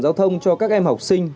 giao thông cho các em học sinh